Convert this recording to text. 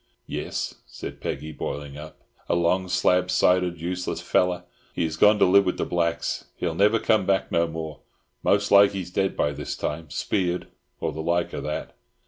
"Yis," said Peggy, boiling up. "A long slab sided useless feller. He's gone to live wid the blacks. He'll never come back no more. Most like he's dead by this time, speared or the like of that!"